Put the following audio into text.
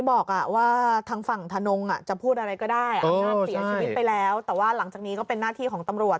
อำนาจเสียชีวิตไปแล้วแต่หลังจากนี้ก็เป็นหน้าที่ของตำรวจ